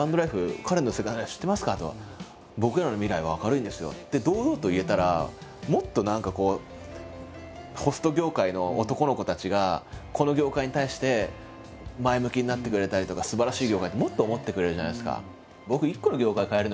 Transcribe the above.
「僕らの未来は明るいんですよ」って堂々と言えたらもっと何かホスト業界の男の子たちがこの業界に対して前向きになってくれたりとかすばらしい業界ってもっと思ってくれるじゃないですか。